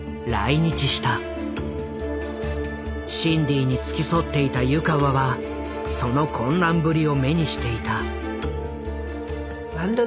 シンディに付き添っていた湯川はその混乱ぶりを目にしていた。